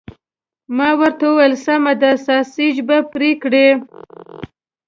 ما ورته وویل: سمه ده، ساسیج به پرې کړي؟